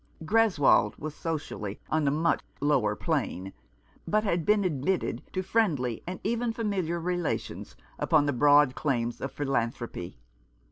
Greswold was socially on a much lower plane, but had been admitted to friendly and even familiar relations upon the broad claims of philan thropy.